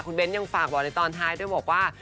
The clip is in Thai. คุณเบ้นยังฝากบอกในตอนท้ายด้วยบอกว่า